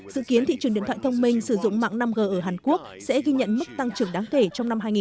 dự kiến thị trường điện thoại thông minh sử dụng mạng năm g ở hàn quốc sẽ ghi nhận mức tăng trưởng đáng kể trong năm hai nghìn hai mươi